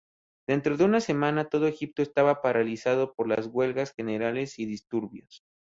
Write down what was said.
Dentro de una semana, todo Egipto estaba paralizado por las huelgas generales y disturbios.